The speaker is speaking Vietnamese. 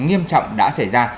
nghiêm trọng đã xảy ra